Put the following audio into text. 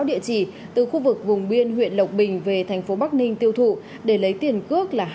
địa chỉ từ khu vực vùng biên huyện lộc bình về thành phố bắc ninh tiêu thụ để lấy tiền cước là hai mươi